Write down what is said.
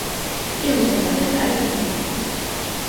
ხივის სასახლის კარის მემატიანე.